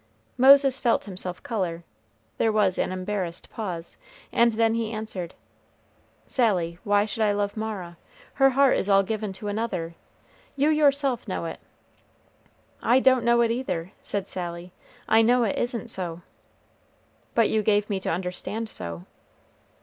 Moses felt himself color. There was an embarrassed pause, and then he answered, "Sally, why should I love Mara? Her heart is all given to another, you yourself know it." "I don't know it either," said Sally; "I know it isn't so." "But you gave me to understand so."